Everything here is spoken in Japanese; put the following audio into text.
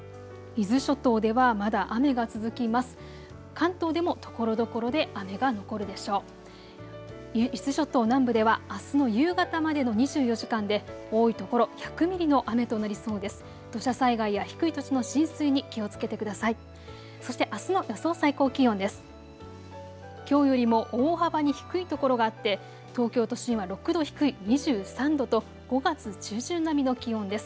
伊豆諸島南部ではあすの夕方までの２４時間で多い所、１００ミリの雨となりそうです。